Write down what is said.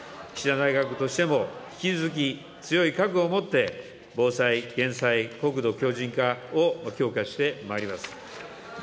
岸田内閣としても、引き続き強い覚悟を持って防災・減災、国土強じん化を強化してまいります。